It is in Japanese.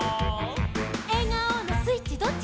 「えがおのスイッチどっち？」